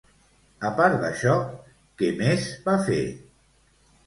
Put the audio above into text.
A part d'això, què més va fer?